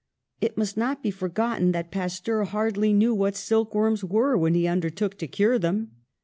And it must not be forgotten that Pasteur hardly knew what silk worms were when he undertook to cure them.